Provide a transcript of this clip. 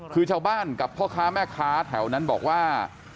คือชาวบ้านกับพ่อค้าแม่ค้าแถวนั้นบอกว่า